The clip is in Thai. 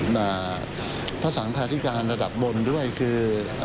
ภาษาสังค์พาสิการระดับบนด้วยคือ